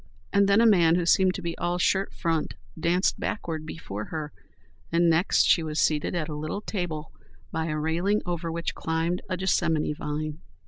And then a man who seemed to be all shirt front danced backward before her; and next she was seated at a little table by a railing over which climbed a jessamine vine.